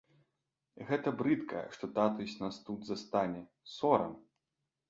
Гэта брыдка, што татусь нас тут застане, сорам!